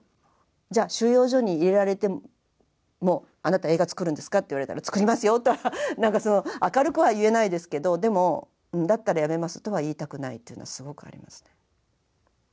じゃあ収容所に入れられてもあなた映画作るんですかって言われたら作りますよとはなんかその明るくは言えないですけどでもだったらやめますとは言いたくないというのはすごくありますね。